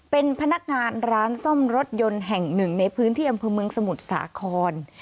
เป็นพนักงานร้านซ่อมรถยนต์แห่งหนึ่งในพื้นที่อำเภอเมืองสมุทรสาคร